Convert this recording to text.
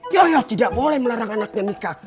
yoyo tidak boleh melarang anaknya nikah